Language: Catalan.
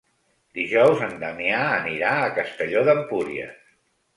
Dijous en Damià anirà a Castelló d'Empúries.